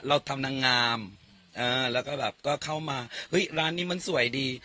เราทำนางงามแล้วก็แบบก็เข้ามาเฮ้ยร้านนี้มันสวยดี